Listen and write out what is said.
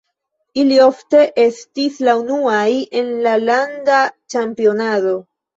Ili ofte estis la unuaj en la landa ĉampionado.